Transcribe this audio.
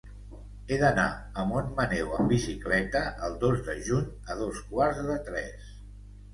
He d'anar a Montmaneu amb bicicleta el dos de juny a dos quarts de tres.